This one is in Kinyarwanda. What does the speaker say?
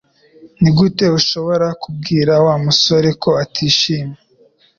Nigute ushobora kubwira Wa musore ko atishimye?